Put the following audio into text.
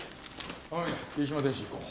雨宮霧島電子行こう。